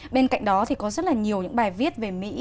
bên cạnh đó thì có rất là nhiều những bài viết về mỹ